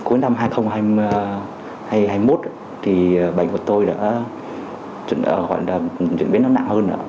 cuối năm hai nghìn hai mươi một bệnh của tôi đã chuyển biến nó nặng hơn